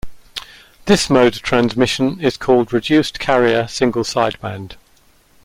This mode of transmission is called reduced-carrier single-sideband.